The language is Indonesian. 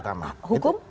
tapi secara hukum